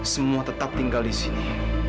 semua tetap tinggal di sini